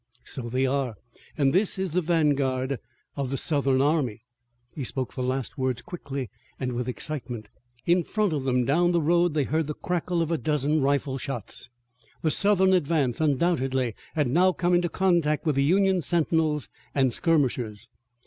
"So they are. And this is the vanguard of the Southern army!" He spoke the last words quickly and with excitement. In front of them down the road they heard the crackle of a dozen rifle shots. The Southern advance undoubtedly had come into contact with the Union sentinels and skirmishers.